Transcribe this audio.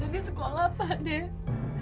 di sekolah apa nek